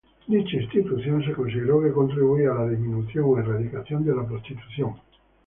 Dicha institución se consideró que contribuía a la disminución o erradicación de la prostitución.